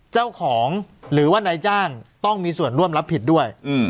เจ้าของหรือว่านายจ้างต้องมีส่วนร่วมรับผิดด้วย